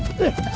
udah diam kamu